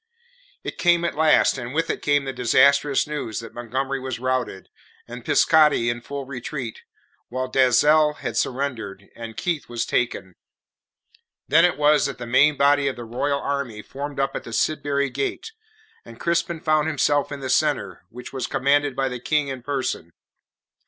It came at last, and with it came the disastrous news that Montgomery was routed, and Pittscottie in full retreat, whilst Dalzell had surrendered, and Keith was taken. Then was it that the main body of the Royal army formed up at the Sidbury Gate, and Crispin found himself in the centre, which was commanded by the King in person.